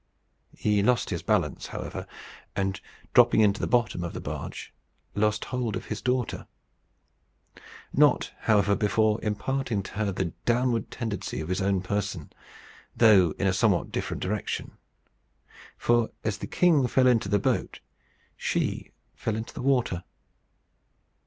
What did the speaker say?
He lost his balance, however, and, dropping into the bottom of the barge, lost his hold of his daughter; not, however, before imparting to her the downward tendency of his own person, though in a somewhat different direction; for, as the king fell into the boat, she fell into the water.